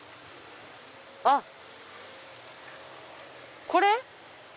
あっこれ？